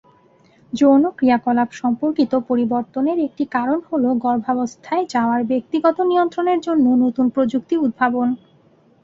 যৌন ক্রিয়াকলাপ সম্পর্কিত পরিবর্তনের একটি কারণ হ'ল গর্ভাবস্থায় যাওয়ার ব্যক্তিগত নিয়ন্ত্রণের জন্য নতুন প্রযুক্তি উদ্ভাবন।